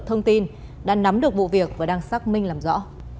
thông tin đã nắm được vụ việc và đang xác minh làm rõ